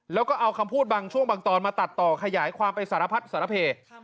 แล้วก็เอาคำพูดบางช่วงบางตอนมาตัดต่อขยายความไปสารพัดสารเพ